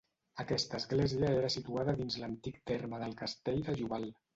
Aquesta església era situada dins l'antic terme del castell de Joval.